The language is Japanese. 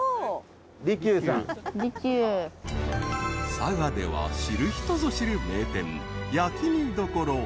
［佐賀では知る人ぞ知る名店］